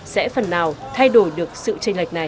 sẽ phần nào thay đổi được sự tranh lệch này